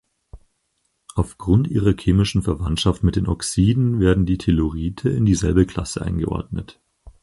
Aufgrund ihrer chemischen Verwandtschaft mit den Oxiden werden die Tellurite in dieselbe Klasse eingeordnet.